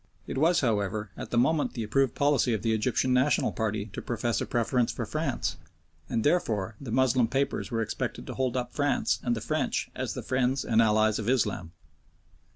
It was, however, at the moment the approved policy of the Egyptian National party to profess a preference for France, and therefore the Moslem papers were expected to hold up France and the French as the friends and allies of Islam.